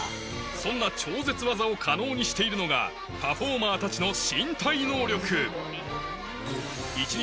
そんな超絶技を可能にしているのがパフォーマーたちの身体能力